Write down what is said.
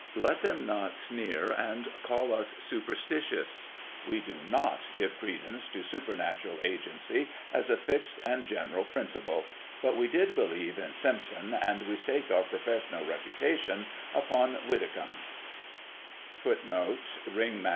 Let them not sneer, and call us superstitious — ^we do not give credence to supernatural agency as a fixed and general prin ciple; but we did believe in Simpson, and stake our professional reputation upon Widdicomb!